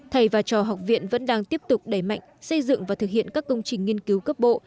thầy và trò học viện vẫn đang tiếp tục đẩy mạnh xây dựng và thực hiện các công trình nghiên cứu cấp bộ